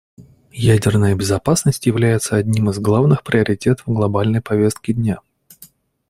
Ядерная безопасность является одним из главных приоритетов глобальной повестки дня.